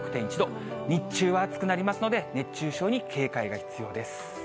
日中は暑くなりますので、熱中症に警戒が必要です。